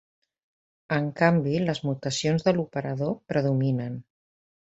En canvi les mutacions de l'operador predominen.